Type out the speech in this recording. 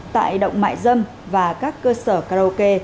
tại động mại dâm và các cơ sở karaoke